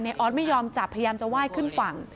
ออสไม่ยอมจับพยายามจะไหว้ขึ้นฝั่ง